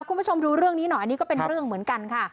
คุณผู้ชมดูเรื่องนี้หน่อยอันนี้ก็เป็นเรื่องเหมือนกันค่ะ